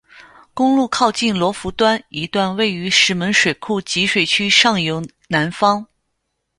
公路靠近罗浮端一段位于石门水库集水区上游南方。